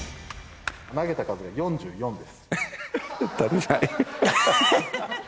投げた数が４４です。